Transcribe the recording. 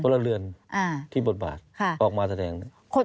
ละเรือนที่บทบาทออกมาแสดง